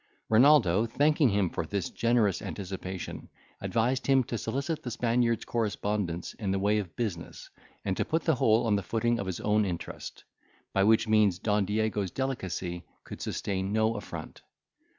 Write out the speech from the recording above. Renaldo, thanking him for this generous anticipation, advised him to solicit the Spaniard's correspondence in the way of business, and to put the whole on the footing of his own interest; by which means Don Diego's delicacy could sustain no affront.